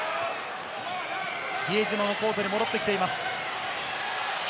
比江島もコートに戻ってきています。